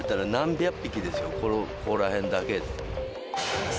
ここら辺だけで。